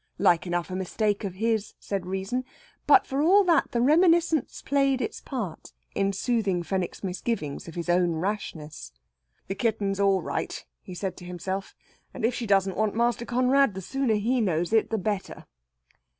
Like enough a mistake of his, said Reason. But for all that the reminiscence played its part in soothing Fenwick's misgivings of his own rashness. "The kitten's all right," said he to himself. "And if she doesn't want Master Conrad, the sooner he knows it the better!"